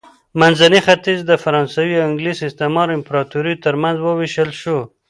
منځنی ختیځ د فرانسوي او انګلیس استعماري امپراتوریو ترمنځ ووېشل شو.